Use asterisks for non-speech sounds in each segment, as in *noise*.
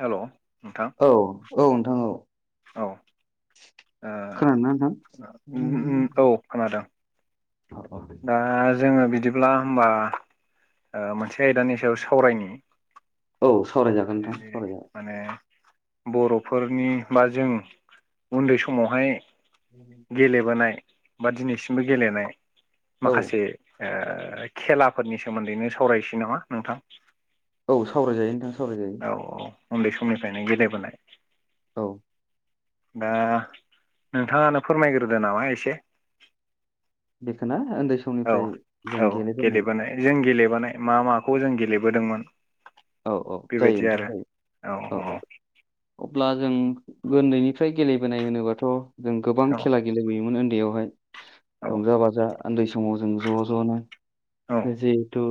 हेल' नोंथां औ औ नोंथां औ औ ओ खोनादोंना ओ उम नोंथां? उम औ खोनादों। दा जोङो बिदिब्ला होमबा ओ मोनसे आयदानि सायाव सावरायनि। औ सावरायजागोन नोंथां सावरायजागोन। माने बर'फोरनि बा जों उन्दै समावहाय गेलेबोनाय *inaudible* बा दिनैसिमबो गेलेनाय औ माखासे ओ खेलाफोरनि सोमोन्दैनो सावरायसै नामा नोंथां? औ सावरायजायो नोंथां सावरायजायो। औ औ उन्दै समनिफ्रायनो गेलेबोनाय औ दा नोंथाङानो फोरमायग्रोदो नामा एसे। बेखौना उन्दै औ समनिफ्राय जों औ गेलेबोनाय जों गेलेबानाय मा माखौ जों गेलेबोदोंमोन? औ औ जायो बेबायदि नोंथां आरो जायो। औ ‌औ औ ब्ला जों ओन्दैनिफ्राय गेलेबोनाय होनोबाथ' जों गोबां औ खेला गेलेबोयोमोन ओन्दैयावहाय। रंजा बाजा ओन्दै समाव जों ज' ज'नो औ जिहेथु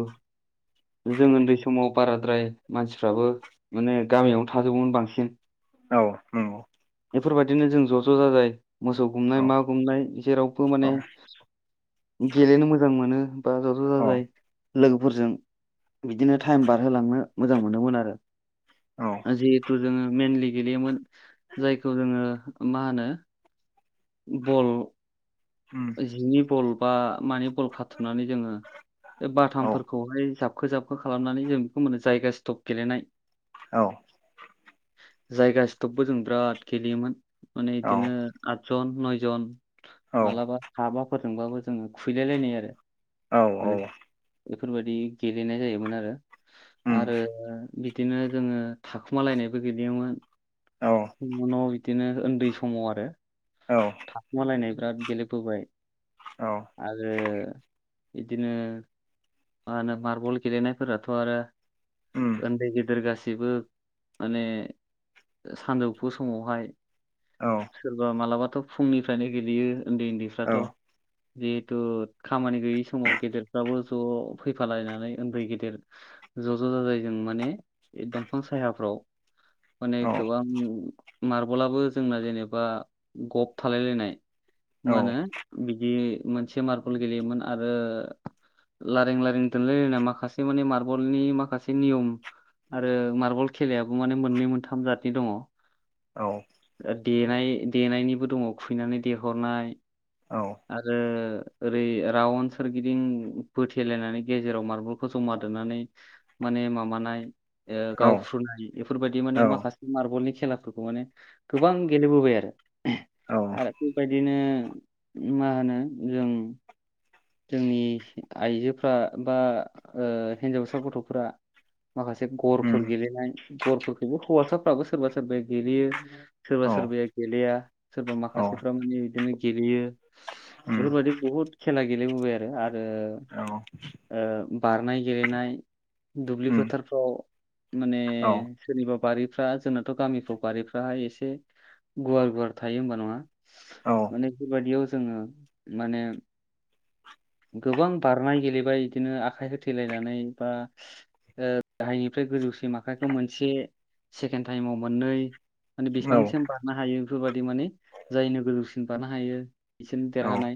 जों ओन्दै समाव बाराद्राय मानसिफ्राबो माने गामियावनो थाजोबमोन बांसिन। औ औ बेफोरबादिनो जों ज' ज' जाजाय मोसौ गुमनाय औ मा गुमनाय जेरावबो माने गेलेनो मोजां मोनो। बा ज' ज' अ' जाजाय लोगोफोरजों बिदिनो थाइम बारहोलांनो मोजां मोनोमोन आरो। औ औ जिहेथु जोङो मेनलि गेलेयोमोन जायखौ जोङो मा होनो बल उम जिनि बल बा मानि बल खाथुमनानै जोङो ए औ बाथामफोरखौहाय जाब खो जाबखो खालामनानै जों खो मोनो जायगा स्टप गेलेनाय। औ जायगा स्टपबो जों बिराद गेलेयोमोन। माने औ इदिनो आट जन, नयजन मालाबा हाबाफोरजोंबाबो जोङो खुयलाय लायनाय आरो। औ औ बेफोरबादि गेलेनाय जायोमोन आरो। उम आरो बिदिनो जोङो थाखुमालायनायबो गेलेयोमोन। औ *unintelligible* बिदिनो ओन्दै समाव आरो। औ थाखुमालायनाय बिराद गेलेबोबाय। औ आरो इदिनो मा होनो मार्बल गेलेनायफोराथ' आरो उम ओन्दै गेदेर गासैबो माने सानजौफु समावहाय औ औ सोरबा मालाबाथ' फुंनिफ्रायनो गेलेयो ओन्दै औ ओन्दैफ्राथ' जिहेथु खामानि गैयै समाव गेदेरफ्राबो ज' फैफालायनानै उन्दै गेदेर ज' ज' जाजाय जों माने दंफां सायाफ्राव *inaudible* माने गोबां मार्बलाबो जोंना जेनेबा गब थालायलायनाय मा होनो बिदि मोनसे मारबल गेलेयोमोन आरो लारें लारें दोनलायलायना माखासे माने मार्बलनि माखासे नियम आरो मार्बल खेलायाबो माने मोननै मोनथाम जाथि दङ। ओ औ देनायनिबो दङ खैनानै देहरनाय आरो ओरै रावन सोरगिदिं बोथेलायनानै गेजेराव मार्बलखौ जमा दोननानै माने माबानाय ओ औ गावफ्रुनाय बेफोरबायदि औ माने उम माखासे मारबलनि खेलाफोरखौ माने गोबां गेलेबोबाय आरो। औ आरो बेबायदिनो मा होनो जों जोंनि आइजोफ्रा बा ओ हिनजावसा गथ'फोरा माखासे उम गरफोर औ उम गेलेनाय। गरफोरखौबो हौवासाफ्राबो सोरबा सोरबाया गेलेयो। सोरबा औ सोरबाया गेलेया सोरबा औ माखासेफ्रा माने बिदिनो गेलेयो। बेफोरबायदि बहुद खेला गेलेबोबाय आरो। औ औ आरो ओ बारनाय गेलेनाय दुब्लि फोथारफ्राव माने सोरनिबा बारि फ्रा जोंनाथ' गामिफ्राव बारिफ्राहाय एसे गुवार गुवार थायो होमबा नङा माने बेबादियाव जोङो माने गोबां बारनाय गेलेबाय बिदिनो आखाइ हो- थेलायनानै बा ओ गाहायनिफ्राय गोजौसि आखाइखौ मोनसे सेकेन्ड टाइमाव मोननै माने औ उम औ बेसेबांसिम बारनो हायो बेफोरबादि माने जायनो गोजौसिन बारनो हायो बिसोरनो देरहानाय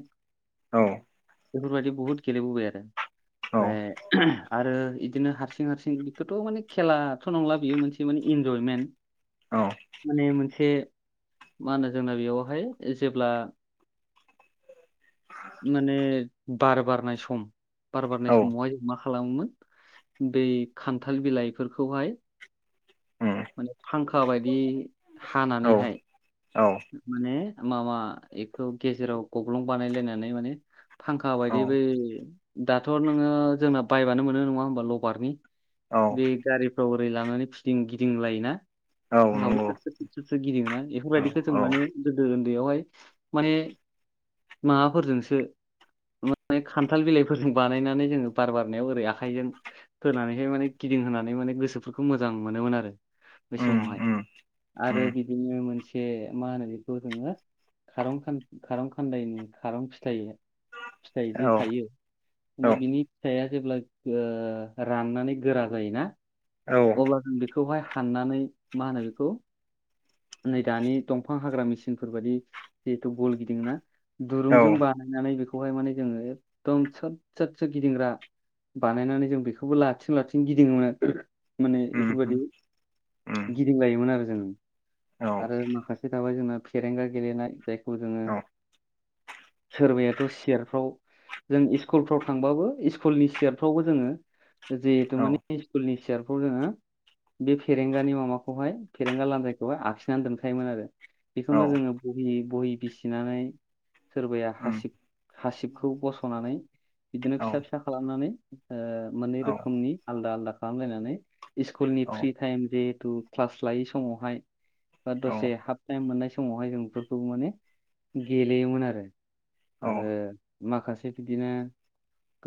बेफोरबायदि बहुद गेलेबोबाय आरो ओमफ्राय आरो इदिनो हारसिं हारसिं बेखौथ' माने खेलाथ' नंला बेयो मोनसे माने इनजयमेन्ट माने मोनसे मा होनो जोंना बेयावहाय ओ जेब्ला माने बार बारनाय सम, बार बारनाय समावहाय जों मा खालामोमोन बै खान्थाल बिलाइफोरखौहाय माने फांखा बायदि हानानैहाय माने माबा बेखौ गेजेराव गब्लं बानायलायनानै माने। फांखा बायदि बै दाथ' नोङो जोंना बायबानो मोनो नङा होम्बा लबारनि औ बे गारिफ्राव ओरै लानानै फिदिं गिदिंलायोना औ फांका नंगौ सोर सोर गिदिङोना बेफोरबायदि जों औ औ माने गोदो उन्दैयावहाय माने माबाफोरजोंसो मे खान्थाल बिलाइफोरजों बानायनानै जोङो बार बारनायाव ओरै आखाइजों होनानैहाय माने गि दिंहोनानै माने गोसोफोरखौ मोजां मोनोमोन आरो बे उम समावहाय। उम आरो उम बिदिनो मोनसे बे मा होनो बेखौ जोङो खार खान खारं खान्दायनि खारं फिथाइया फिथाइ दि औ थायो माने औ बिनि फिथिइया जेब्ला राननानै गोरा जायोना औ अब्ला जों बेखौहाय हाननानै मा होनो बेखौ नै दानि दंफां हाग्रा मेचिनफोर बायदि जिहेथु बल गिदिङोना औ दुरुंजों बानायनानै बेखौहाय माने जोङो एकदम सोद सोद गिदिंग्रा बानायनानै जों बेखौबो लाथिं लाथिं गिदिङोमोन माने ओम बेफोरबायदि होम गिदिंलायोमोन आरो जों औ आरो माखासे थाबाय जोंङो फेरेंगा गेलेनाय जायखौ जोङो औ सोरबायाथ' सियारफ्राव जों इस्कुलफ्राव थांबाबो इस्कुलनि सियारफ्रावबो जोङो जिहेतु औ माने इस्कुलनि सियारफ्राव जोङो बे फेरेंगानि माबाखौहाय फेरेंगा लान्दायखौहाय आखिनानै दोनखायोमोन आरो। औ बेखौनो जोङो बहि बहि बिसिनानै सोरबाया उम हासिब हासिबखौ बस'नानै बिदिनो औ फिसा फिसा खालामनानै ओ मोननै औ रोखोमनि आलदा आलदा खालामलायनानै इस्कुलनि औ फ्रि टाइम जिहेतु क्लास लायै समावहाय बा औ दसे हाफ टाइम मोननाय समावहाय जों बेफोरखौ माने गेलेयोमोन आरो आरो औ माखासे बिदिनो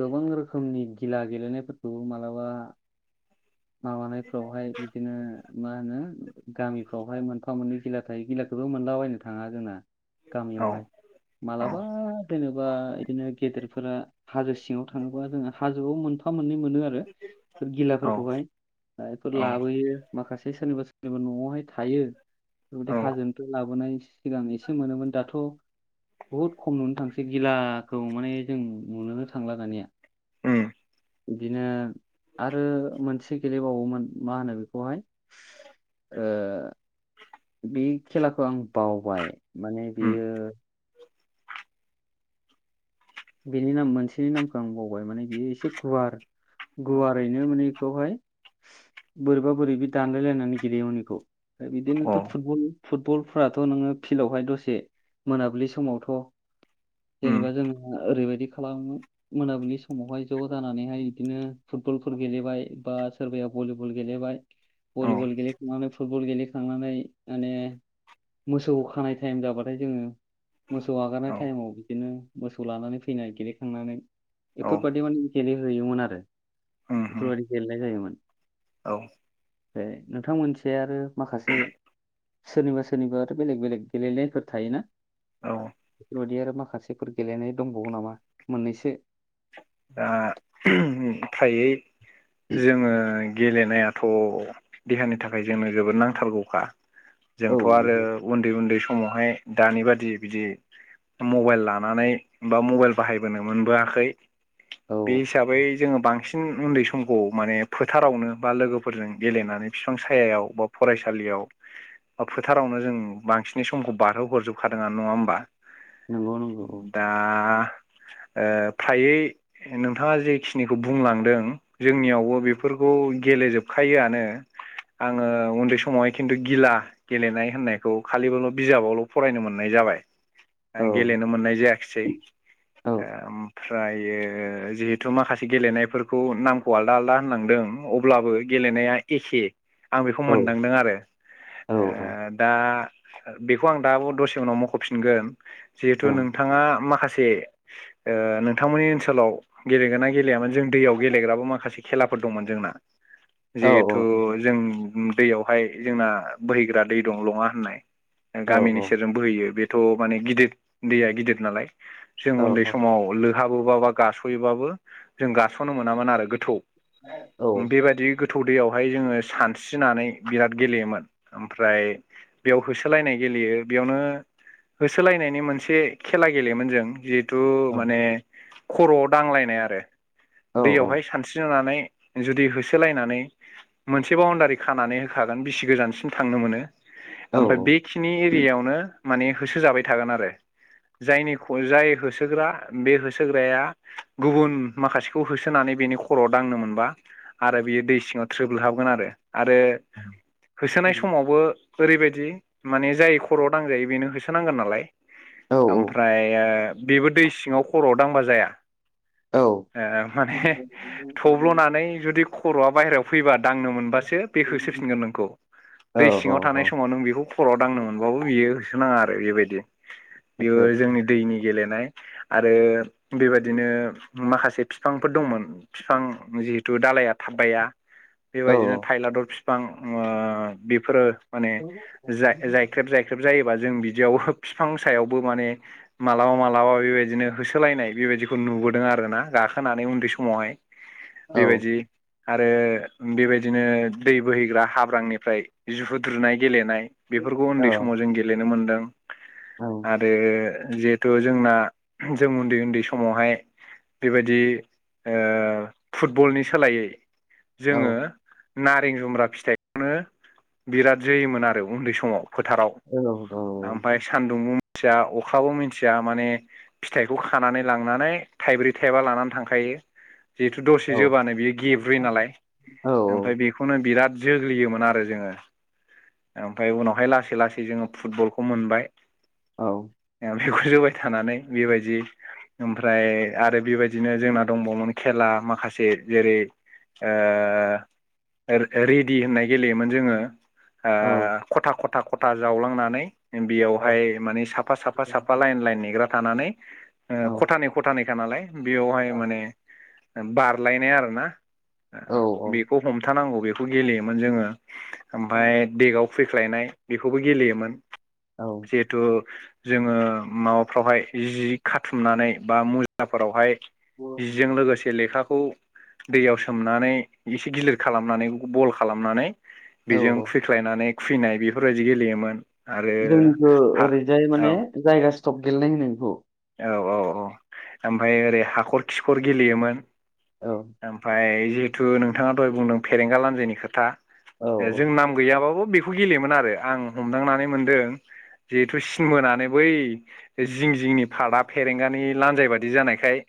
गोबां रोखोमनि गिला गेलेनायफोरखौबो मालाबा माबानायफोरावहाय बिदिनो मा होनो गामिफ्रावहाय मोनफा मोननै गिला थायो गिलाखौ बो मोनलाबायनो थाङा जोंना गामियावहाय मालाबा दोङोबा बिदिनो गेदेरफोरा हाजो सिङाव थाङोबा जोङो हाजोआव मोन मोनफा मोननै मोनो आरो गिलाफोरखौहाय आं इफोर औ लाबोयो माखासे सोरनिबा सोरनिबा न'आवहाय थायो बेबादि औ हाजोनिफ्राय लाबोनायनि सिगां एसे मोनोमोन दाथ' बहुद खम नुनो थांसै गिलाखौ माने जों नुनोनो थांला दानिया उम बिदिनो आरो मोनसे गेलेबावोमोन मा होनो बेखौहाय ओ बे खेलाखौ आं बावबाय माने उम बियो बिनि नाम मोनसेनि नामखौ आं बावबाय माने बियो एसे गुवार गुवारैनो माने बेखौहाय बोरैबा-बोरैबि दानलायलायनानै गेलदेयोमोन बेखौ अ बिदिनोथ' फुटबल फुटबलफ्राथ' नोङो फिलआवहाय दसे मोनाबिलि समावथ' उम जेनेबा जों ओरैबायदि खालामो मोन मोनाबिलि समावहाय ज' जानानैहाय बिदिनो फुटबलफोर गेलेबाय बा सोरबाया भलिबल गेलेबाय औ भलिबल गेलेखांनानै फुटबल गेलेखांनानै माने मोसौ खानाय टाइम जाबाथाय जोङो मोसौ हगारनाय औ टाइमाव बिदिनो मोसौ लानानै फैनाय गेलेखांनानै औ एफोरबायदि माने गेलेहैयोमोन आरो उम उम एफोरबायदि गेलेनाय जायोमोन औ नोंथां मोनसे आरो माखासे सोरनिबा सोरनिबा आरो बेलेग- बेलेग गेलेनायफोर थायोना औ बेफोरबायदि आरो माखासेफोर गेलेनाय दंबावो नामा मोननैसो? दा फ्रायै जोङो गेलेनायाथ' देहानि थाखाय जोंनो जोबोद नांथारगौखा औ जोंथ' आरो नंगौ उन्दै उन्दै समावहाय दानि बादि बिदि मबाइल लानानै बा मबाइल बाहायबोनो मोनबोआखै बे औ हिसाबै जोङो बांसिन उन्दै समखौ माने फोथारावनो बा लोगोफोरजों गेलेनानै बिफां सायायाव बा फरायसालियाव फोथारावनो जों बांसिनै समखौ बारहोहरजोबखादोङानो नङा होमबा नंगौ नंगौ दा! ओ फ्रायै नोंथाङा जेखिनिखौ बुंलांदों जोंनियावबो बेफोरखौ गेलेजोबखायोआनो आङो उन्दै समावहाय खिन्थु गिला गेलेनाय होननायखौ खालिबोल' बिजाबावल' फरायनो मोननाय जा जाबाय औ आं गेलेनो मोननाय जायाखिसै औ ओमफ्रायो जिहेथु माखासे गेलेनायफोरखौ नामखौ आलदा आलदा होनलांदों अब्लाबो गेलेनाया एखे आं बेखौ औ मोनदांदों आरो औ ओ दा बेखौ आं दाबो दसे उनाव मख'फिनगोन जिहेथु औ नोंथाङा माखासे ओ ओ नोंथांमोननि ओनसोलाव गेलेगोना गेलेयामोन जों दैयाव गेलेग्राबो माखासे खेलाफोर दंमोन जोंना औ जिहेथु जों दैयाव ओमफाय जोंना बोहैग्रा दै दं लङा होननाय औ औ गामिनि सेरजों बोहैयो बे थ' माने गिदिर दैया गिदिर नालाय जों औ उन्दै समाव लोंहाबो बा गास''योबाबो जों गास'नो मोनामोन आरो गोथौ बेबायदि थौ दैयावहाय जोङो सानस्रिनानै बिराद गेलेयोमोन ओमफ्राय बेयाव होसोलायनाय गे लेयो बेयावनो होसोलायनायनि मोनसे खेला गेलेयोमोन जों जि थु माने खर'आव दांलायनाय आरो औ दैयावहाय सानस्रिनानै जुदि होसोलायनानै मोनसे बाउनडारि खानानै होखागोन बिसि गोजानसिम थांनो मोनो ओमफ्राय बेखिनि एरियायावनो माने होसोजाबाय थागोन आरो जायनिखौ जाय होसोग्रा बे होसो ग्राया गुबुन माखासेखौ होसोनानै बेनि खर'आव दांनो मोनबा आरो बियो दै सिङाव थ थ्रोब हाबगोन आरो-आरो होसोनाय समावबो ओरैबायदि माने जाय खर'आव दांजायो बेनो होसोनांगोन नालाय ओमफ्राय आ बेबो दै सिङाव खर'आव दांबा जाया ओ माने थब्ल'नानै जुदि खर'आ बाहेरायाव फैबा दांनो मोनबासो बे होसोफिनगोन नोंखौ। दै औ सिङाव थानाय समाव नों बेखौ खर'आव दांनो मोनबाबो बियो होसोनाङा आरो ओरैबायदि बेयो आतसा आतसा जोंनि दैनि गेलेनाय आरो बेबायदिनो माखासे बिफांफोर दंमोन बिफां जिहेथु दालाइया थाब बाया औ बेबायदिनो थायलाद' बिफां बेफोरो माने औ जाय-जायख्रेब-जायख्रेब जायो जों बिदियावबो बिफां सायावबो माने मालाबा मालाबा बेबायदिनो होसोलायनाय बेबायदिखौ नुबोदों आरोना गाखोनानै उन्दै समावहाय औ बेबायदि आरो आरो बेबायदिनो दै बोहैग्रा हाब्रांनिफ्राय जुहुद्रुनाय गेलेनाय बेफोरखौ उन्दै समाव जों गेलेनो मोनदों आरो जिहेथु जोंना जों उन्दै-उन्दै सम समावहाय बेबायदि ओ फुटबलनि सोलायै जोङो नारें जुमब्रा फिथाइखौनो बिराद जोयोमोन आरो उन्दै स माव फोथाराव ओमफ्राय सान्दुं मिथिया अखाबो मिथिया माने फिथाइखौ खानानै लांनानै थाइब्रै थाइबा लानानै थांखायो। जिहेथु दसे जोबानो बियो गेब्रुयो नालाय ओमफ्राय बेखौनो बिराद जोग्लियोमोन आरो जोङो ओमफ्राय उनावहाय लासै लासै जोङो फुटबलखौ मोनबाय औ बेखौ जोबाय थानानै बेबायदि ओमफ्राय आरो बेबायदिनो जोंना दंबावोमोन खेला माखासे जेरै ओ रे-रेडि होननाय गेलेयोमोन जोङो ओ खथा-खथा-खथा जावलांनानै बेयावहाय माने साफा-साफा-साफा लाइन-लाइन नेग्रा थानानै ओ खथानै खथानैखा नालाय बेयावहाय माने बारलायनाय आरोना बेखौ हमथानांगौ बेखौ गेलेयोमोन जोङो ओमफ्राय देगाव खुयख्लायनाय बेखौबो गेलेयोमोन औ जिहेथु जोङो माबाफ्रावहाय जि खाथुमनानै बा मुजाफोरावहाय औ जिजों लोगोसे लेखाखौ खौ दैयाव सोमनानै एसे गिलिर खालामनानै बेखौ बल खालामनानै बेजों औ खुइख्लायनानै खुयनाय बेफोरबायदि गेलेयोमोन आरो जोंनिखौ हा ओरैजाय औ माने जायगा स्टप गेलेनाय होनो बेखौ औ-औ-औ ओमफ्राय ओरै हाखर-खिखर गेलेयोमोन बेखौ ओमफाय जिहेथु नोंथाङाथ' दहाय बुंदों फेरेंगा लान्जायनि खोथा औ जों नाम गैयाबाबो बेखौ गेलेयोमोन आरो आं हमदांनानै मोनदों जिहेथु सिन मोनानै बै जिं जिंनि फार्तआ फेरेंगानि लान्जाय बादि जानायखाय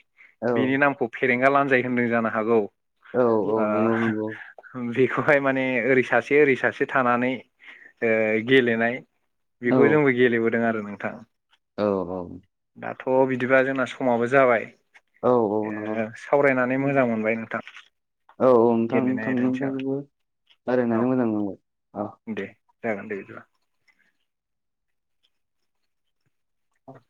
औ बिनि नामखौ फेरेंगा लानजाय होनदों जानो हागौ औ ओ औ नंगौ नंगौ बेखौहाय माने ओरै सासे ओरै सासे थानानै ओ गेलेनाय औ बेखौ जोंबो गेलेबोदों आरो नोंथां औ औ दाथ' बिदिबा जोंना समाबो जाबाय औ औ नंगौ ओ सावरायना मोजां मोनबाय नोंथां आं गेलेनाय आयदानि सायाव नोंथांजोंबो औ रायलायनानै मोजां नांबाय अ दे जागोन दे बिदिबा औ